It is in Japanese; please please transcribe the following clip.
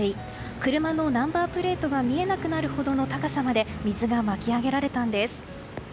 車のナンバープレートが見えなくなるほどの高さまで水が巻き上げられたんです。